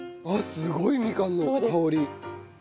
あっすごいみかんの香り。